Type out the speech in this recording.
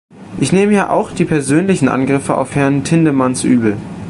Ich nehme ihr auch die persönlichen Angriffe auf Herrn Tindemans übel.